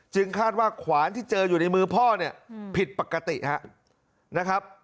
คาดว่าขวานที่เจออยู่ในมือพ่อเนี่ยผิดปกตินะครับ